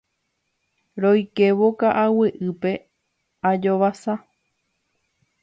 Roikévo ka'aguy'ípe ajovasa.